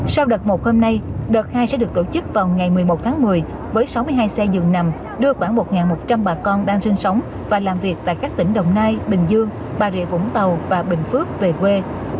sau đợt một hôm nay đợt hai sẽ được tổ chức vào ngày một mươi một tháng một mươi với sáu mươi hai xe dường nằm đưa khoảng một một trăm linh bà con đang sinh sống và làm việc tại các tỉnh đồng nai bình dương bà rịa vũng tàu và bình phước về quê